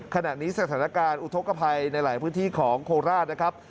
ขณะนี้สถานการณ์อุทธกภัยในหลายพื้นที่ของโคราชนะครับ